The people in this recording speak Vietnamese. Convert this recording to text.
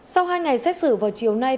sau hai ngày xét xử vào chiều nay